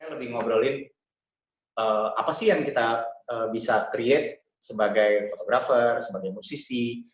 lebih ngobrolin apa sih yang kita bisa create sebagai fotografer sebagai musisi